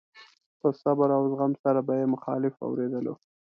په صبر او زغم سره به يې مخالف اورېدلو.